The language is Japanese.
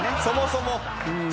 そもそも。